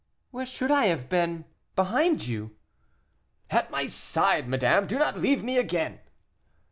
"Where should I have been? Behind you." "At my side, madame; do not leave me again."